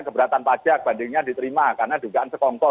keberatan pajak bandingnya diterima karena dugaan sekongkol